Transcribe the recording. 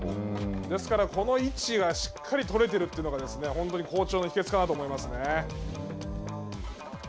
ですから、この位置はしっかり取れているというのが本当に好調の秘けつかなと思いますね。